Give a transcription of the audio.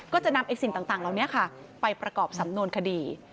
ก็จะนำไอ้สิ่งต่างเหล่านี้ค่ะไปประกอบสำนวนคดี